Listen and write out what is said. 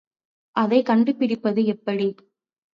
அதைக் கண்டுபிடிப்பது எப்படி?